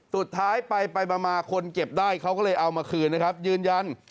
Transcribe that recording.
สุดท้ายไปไปมาคนเก็บได้เขาก็เลยเอามาคืนนะครับยืนยัน